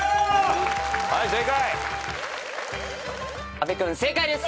阿部君正解です。